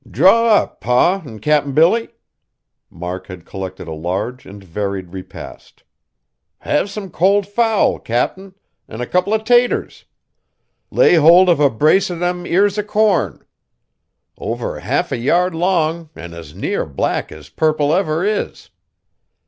"Draw up, Pa and Cap'n Billy!" Mark had collected a large and varied repast. "Have some cold fowl, Cap'n, an' a couple o' 'taters. Lay hold of a brace o' them ears o' corn. Over half a yard long an' as near black as purple ever is.